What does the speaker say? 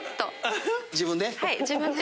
自分で？